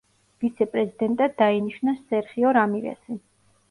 ვიცე-პრეზიდენტად დაინიშნა სერხიო რამირესი.